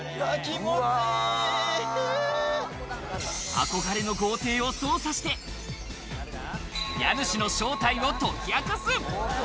憧れの豪邸を捜査して家主の正体を解き明かす。